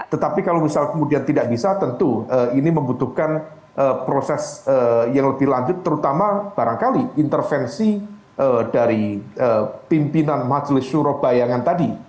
tetapi kalau misal kemudian tidak bisa tentu ini membutuhkan proses yang lebih lanjut terutama barangkali intervensi dari pimpinan majelis syuroh bayangan tadi